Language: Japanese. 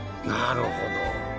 なるほど。